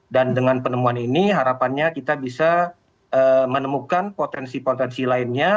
dan dengan penemuan ini harapannya kita bisa menemukan potensi potensi lainnya